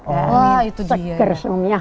seger sumyah muragapi keluarga sagutra